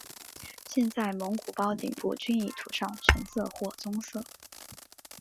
现在蒙古包顶部均已涂上橙色或棕色。